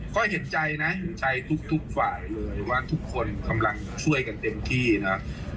ก็เห็นใจนะเห็นใจทุกฝ่ายเลยว่าทุกคนกำลังช่วยกันเต็มที่นะ